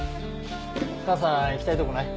母さん行きたいとこない？